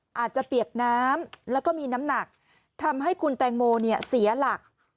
อาจจะเปียกน้ำแล้วก็มีน้ำหนักทำให้คุณแตงโมเนี่ยเสียหลัก